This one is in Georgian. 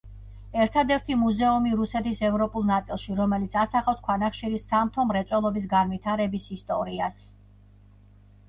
ერთადერთი მუზეუმი რუსეთის ევროპულ ნაწილში, რომელიც ასახავს ქვანახშირის სამთო მრეწველობის განვითარების ისტორიას.